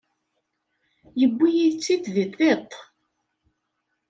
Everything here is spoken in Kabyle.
Yewwi-yi-tt-id di tiṭ.